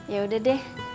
ya udah deh